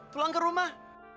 pulang ke rumah